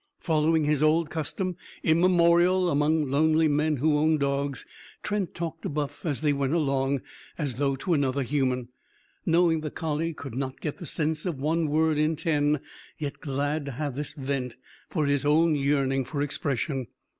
Following his old custom immemorial among lonely men who own dogs Trent talked to Buff as they went along, as though to another human knowing the collie could not get the sense of one word in ten, yet glad to have this vent for his own yearning for expression.